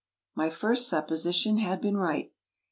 My first supposition had been right.